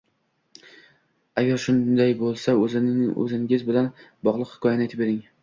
Agar shunday bo‘lsa, o'zingiz bilan bog'liq hikoyani aytib bering.